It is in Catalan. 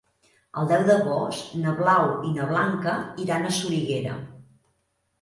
El deu d'agost na Blau i na Blanca iran a Soriguera.